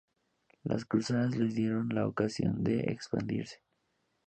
Las cruzadas les dieron la ocasión de expandirse.